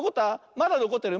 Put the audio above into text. まだのこってる！